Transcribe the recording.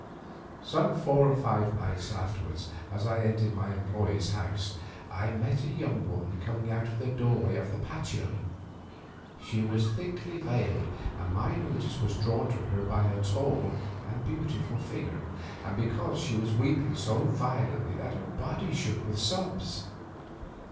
Some four or five nights afterwards, as I entered my employer's house I met a young woman coming out of the doorway of the patio; she was thickly veiled and my notice was drawn to her by her tall and beautiful figure and because she was weeping so violently that her body shook with her sobs.